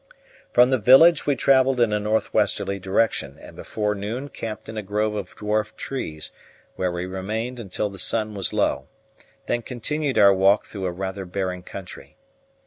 From the village we travelled in a north westerly direction, and before noon camped in a grove of dwarf trees, where we remained until the sun was low, then continued our walk through a rather barren country.